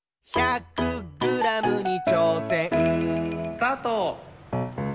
・スタート！